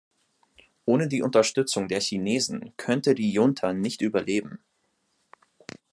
Ohne die Unterstützung der Chinesen könnte die Junta nicht überleben.